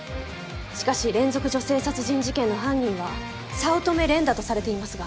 しかし連続女性殺人事件の犯人は早乙女蓮だとされていますが？